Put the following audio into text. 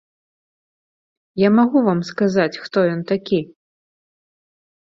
Я магу вам сказаць, хто ён такі.